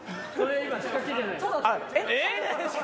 えっ？